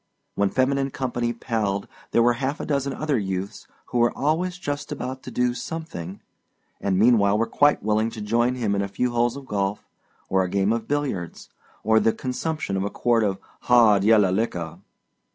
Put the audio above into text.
When feminine company palled there were half a dozen other youths who were always just about to do something, and meanwhile were quite willing to join him in a few holes of golf, or a game of billiards, or the consumption of a quart of "hard yella licker."